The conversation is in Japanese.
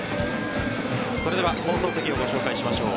それでは放送席をご紹介しましょう。